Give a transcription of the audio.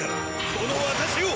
この私を！